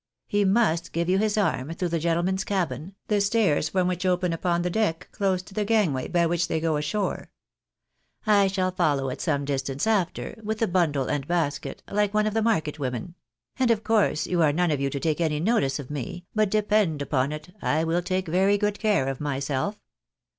He must give you his arm through the gentlemen's cabin, the stairs from which open upon the deck close to the gangway by which they go ashore. I shall follow at some distance after, with a bundle and basket, like one of the market women ; and of course you are none of you to take any notice of me, but depend upon it I will take very good care of myself.